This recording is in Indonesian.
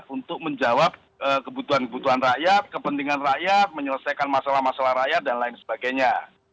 untuk menjawab kebutuhan kebutuhan rakyat kepentingan rakyat menyelesaikan masalah masalah rakyat dan lain sebagainya